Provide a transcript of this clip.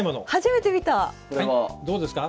はいどうですか？